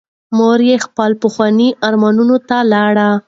مور یې خپلو پخوانیو ارمانونو ته لاړه.